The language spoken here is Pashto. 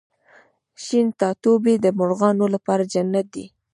شین ټاټوبی د مرغانو لپاره جنت دی